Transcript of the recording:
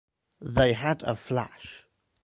They had a flash.